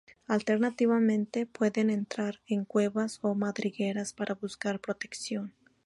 Alternativamente pueden entrar en cuevas o madrigueras para buscar protección.